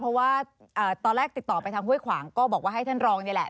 เพราะว่าตอนแรกติดต่อไปทางห้วยขวางก็บอกว่าให้ท่านรองนี่แหละ